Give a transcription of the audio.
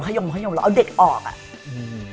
เราเอาเด็กออกอะ